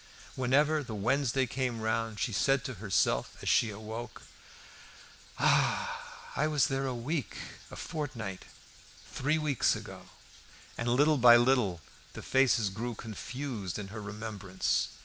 Whenever the Wednesday came round she said to herself as she awoke, "Ah! I was there a week a fortnight three weeks ago." And little by little the faces grew confused in her remembrance.